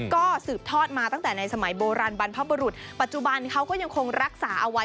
ก็สืบทอดมาตั้งแต่ในสมัยโบราณบรรพบุรุษปัจจุบันเขาก็ยังคงรักษาเอาไว้